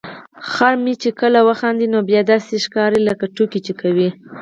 خر مې چې کله وخاندي نو بیا داسې ښکاري لکه ټوکې چې کوي.